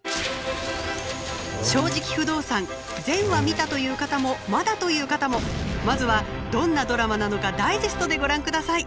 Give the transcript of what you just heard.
「正直不動産」全話見たという方もまだという方もまずはどんなドラマなのかダイジェストでご覧ください。